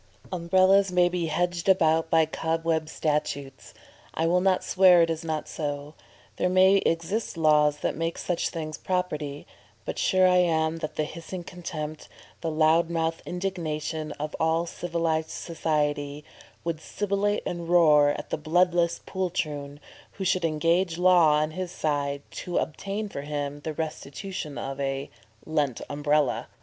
Umbrellas may be 'hedged about' by cobweb statutes; I will not swear it is not so; there may exist laws that make such things property; but sure I am that the hissing contempt, the loud mouthed indignation of all civilised society, 'would sibilate and roar at the bloodless poltroon who should engage law on his side to obtain for him the restitution of a lent Umbrella!"